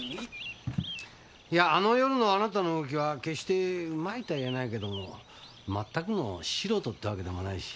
いやあの夜のあなたの動きは決して上手いとは言えないけどまったくの素人ってわけでもないし。